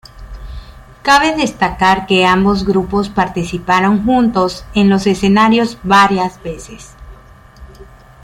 Cabe destacar que ambos grupos participaron juntos en los escenarios varias veces.